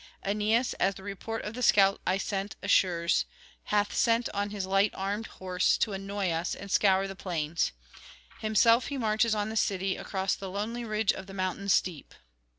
Aeneas, as the report of the scouts I sent assures, hath sent on his light armed horse to annoy us and scour the plains; himself he marches on the city across the lonely ridge of the mountain steep.